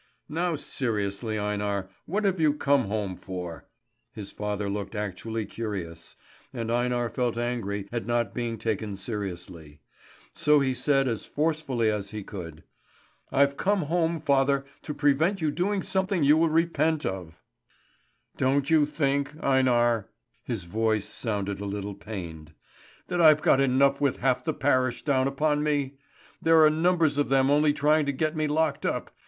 "Now seriously, Einar, what have you come home for?" His father looked actually curious, and Einar felt angry at not being taken seriously. So he said as forcibly as he could: "I've come home, father, to prevent you doing something you will repent of." "Don't you think, Einar," his voice sounded a little pained, "that I've got enough with half the parish down upon me? There are numbers of them only trying to get me locked up.